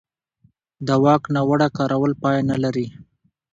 د واک ناوړه کارول پای نه لري